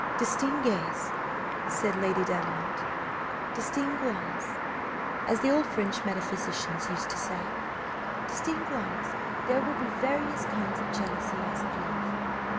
"Distinguez," said Lady Davenant; "distinguons, as the old French metaphysicians used to say, distinguons, there be various kinds of jealousy, as of love.